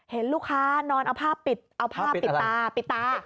เห็นลูกค้านอนเอาผ้าปิดเอาผ้าปิดตาปิดตา